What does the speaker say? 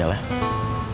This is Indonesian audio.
gak usah ya